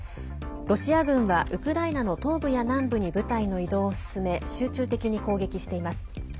ロシア軍はウクライナの東部や南部に部隊の移動を進め集中的に攻撃しています。